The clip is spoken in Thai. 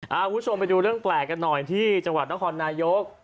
คุณผู้ชมไปดูเรื่องแปลกกันหน่อยที่จังหวัดนครนายก